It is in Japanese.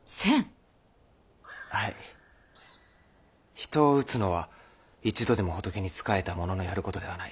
人を打つのは一度でも仏に仕えたもののやることではない。